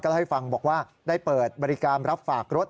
ก็ได้ให้ฟังว่าได้เปิดบริการรับฝากรถ